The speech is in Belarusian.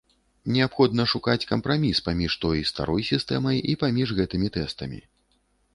Неабходна шукаць кампраміс паміж той, старой сістэмай і паміж гэтымі тэстамі.